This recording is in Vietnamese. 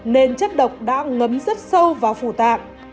nên chất độc đã ngấm rất sâu vào phủ tạng